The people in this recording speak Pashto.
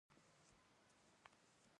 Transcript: کوتره د انساني عاطفې نښه ده.